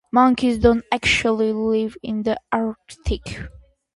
Monkeys don't actually live in the Arctic.